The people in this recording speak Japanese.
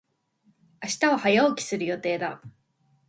明日は早起きする予定だ。